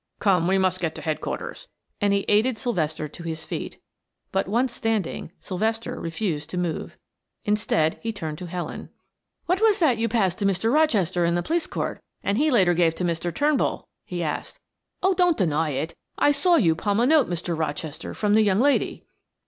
"Come, we must get to Headquarters," and he aided Sylvester to his feet, but once standing, Sylvester refused to move. Instead he turned to Helen. "What was that you passed to Mr. Rochester in the police court and he later gave to Mr. Turnbull?" he asked. "Oh, don't deny it, I saw you palm a note, Mr. Rochester, from the young lady."